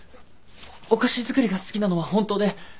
お菓子作りが好きなのはホントで。